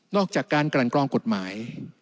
อกจากการกลั่นกรองกฎหมาย